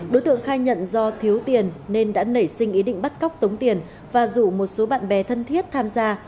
đối tượng khai nhận do thiếu tiền nên đã nảy sinh ý định bắt cóc tống tiền và rủ một số bạn bè thân thiết tham gia